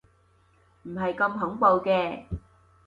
唔係咁恐怖嘅